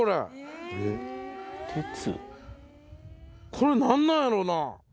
これ何なんやろうな？